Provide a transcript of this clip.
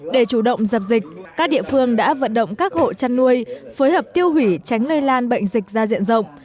để chủ động dập dịch các địa phương đã vận động các hộ chăn nuôi phối hợp tiêu hủy tránh lây lan bệnh dịch ra diện rộng